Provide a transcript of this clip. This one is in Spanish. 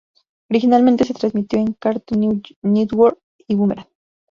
Originalmente se transmitió en Cartoon Network y Boomerang.